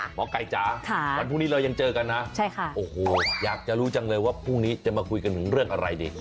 หมอกัยจ๊ะวันปรุงนี้เรายังเจอกันนะอยากรู้จังเลยว่าพรุ่งนี้ถามเรื่องอะไร